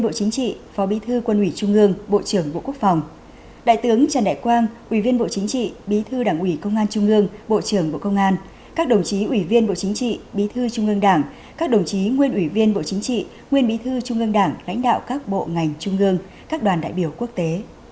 bộ chính trị bí thư đảng ủy công an trung ương bộ trưởng bộ công an các đồng chí ủy viên bộ chính trị bí thư trung ương đảng các đồng chí nguyên ủy viên bộ chính trị nguyên bí thư trung ương đảng lãnh đạo các bộ ngành trung ương các đoàn đại biểu quốc tế